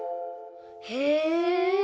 へえ！